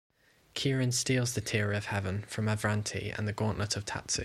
Kirin steals the Tear of heaven from Avranti and the Gauntlet of Tatsu.